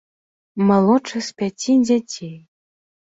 Малодшы з пяці дзяцей.